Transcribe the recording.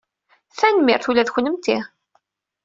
Tanemmirt! Ula i kennemti!